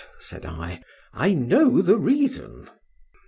said I,—I know the reason.